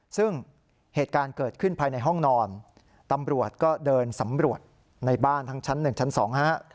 ซึ่งเหตุการณ์เกิดขึ้นภายในห้องนอนตำรวจก็เดินสำรวจในบ้านทั้งชั้นหนึ่งชั้นสองฮะ